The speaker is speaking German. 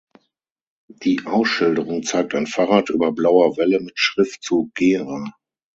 Die Ausschilderung zeigt ein Fahrrad über blauer Welle mit Schriftzug „Gera“.